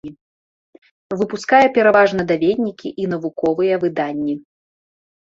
Выпускае пераважна даведнікі і навуковыя выданні.